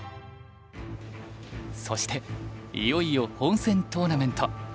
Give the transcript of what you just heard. そしていよいよ本戦トーナメント。